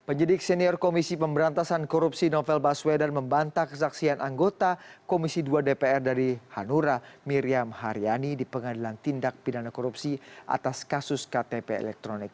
penyidik senior komisi pemberantasan korupsi novel baswedan membantah kesaksian anggota komisi dua dpr dari hanura miriam haryani di pengadilan tindak pidana korupsi atas kasus ktp elektronik